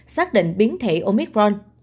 xác định biến thể omicron